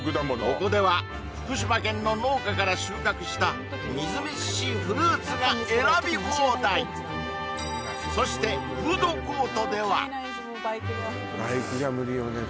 ここでは福島県の農家から収穫したみずみずしいフルーツが選び放題そしてフードコートではバイクじゃ無理よね